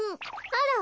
あら。